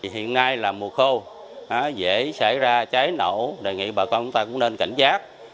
hiện nay là mùa khô dễ xảy ra cháy nổ đề nghị bà con chúng ta cũng nên cảnh giác